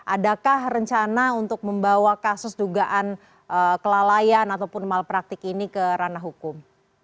adakah rencana untuk membawa kasus dugaan kelalaian ataupun malpraktik ini ke ranah hukum